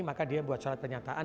maka dia membuat surat pernyataan